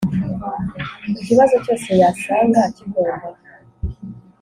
ku kibazo cyose yasanga kigomba